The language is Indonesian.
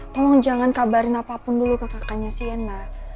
tolong jangan kabarin apapun dulu ke kakaknya shena